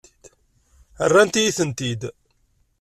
Rrant-iyi-ten-id.